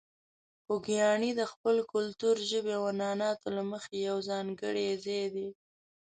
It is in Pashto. خوږیاڼي د خپل کلتور، ژبې او عنعناتو له مخې یو ځانګړی ځای دی.